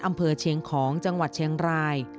อำเภอเชียงของจังหวัดเชียงราย